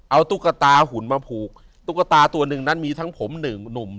เอาตุ๊กตาหุ่นมาผูกตุ๊กตาตัวหนึ่งนั้นมีทั้งผมหนึ่งหนุ่ม